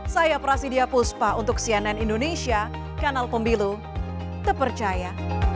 saya prasidya puspa untuk cnn indonesia kanal pemilu terpercaya